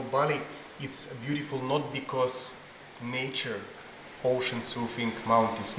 bali adalah indah bukan karena alam laut dan gunung